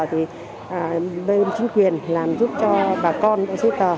thì bên chính quyền làm giúp cho bà con những giấy tờ